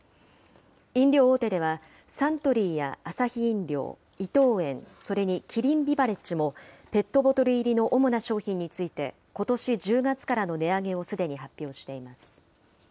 飲料大手では、サントリーやアサヒ飲料、伊藤園、それにキリンビバレッジも、ペットボトル入りの主な商品について、ことし１０月からの値上げをすでに発表しています。